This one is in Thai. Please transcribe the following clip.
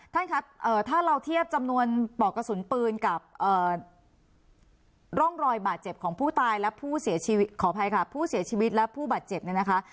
ท่านครับถ้าเราเทียบจำนวนปอกกระสุนปืนกับร่องรอยบาดเจ็บของผู้ตายและผู้เสียชีวิตขออภัยค่ะผู้เสียชีวิตและผู้บาดเจ็บเนี่ยนะคะ